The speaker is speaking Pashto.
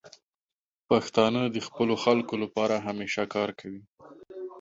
پښتانه د خپلو خلکو لپاره همیشه کار کوي.